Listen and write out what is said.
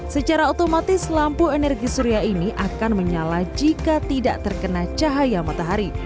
secara otomatis lampu energi surya ini akan menyala jika tidak terkena cahaya matahari